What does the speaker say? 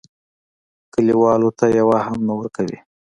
کلیوالو ته یوه هم نه ورکوي.